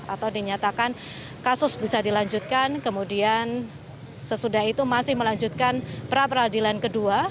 atau dinyatakan kasus bisa dilanjutkan kemudian sesudah itu masih melanjutkan pra peradilan kedua